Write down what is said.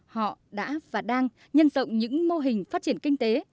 họ đã và đang nhân rộng những mô hình phát triển kinh tế